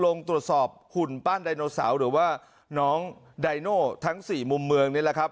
ลงตรวจสอบหุ่นปั้นไดโนเสาร์หรือว่าน้องไดโน่ทั้งสี่มุมเมืองนี่แหละครับ